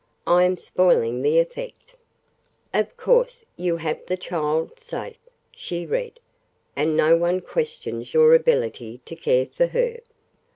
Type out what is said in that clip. I am spoiling the effect: "'Of course you have the child safe,'" she read, "'and no one questions your ability to care for her.